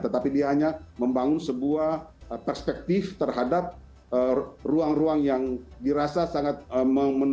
tetapi dia hanya membangun sebuah perspektif terhadap ruang ruang yang dirasa sangat menguntungkan